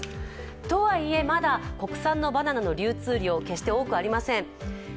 とはいえまだ国産のバナナの流通量、決して多くありません。